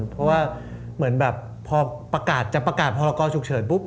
เพราะว่าเหมือนแบบจะประกาศพอเราก็ชุกเฉิดปุ๊บ